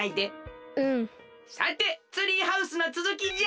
さてツリーハウスのつづきじゃ！